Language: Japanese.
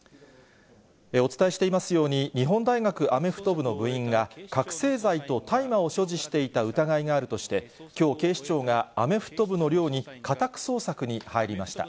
お伝えしていますように、日本大学アメフト部の部員が、覚醒剤と大麻を所持していた疑いがあるとしてきょう、警視庁がアメフト部の寮に家宅捜索に入りました。